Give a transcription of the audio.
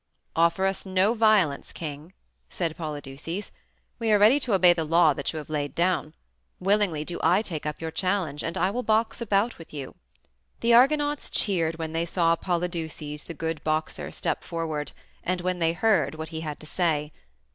"Offer us no violence, king," said Polydeuces. "We are ready to obey the law that you have laid down. Willingly do I take up your challenge, and I will box a bout with you." The Argonauts cheered when they saw Polydeuces, the good boxer, step forward, and when they heard what he had to say.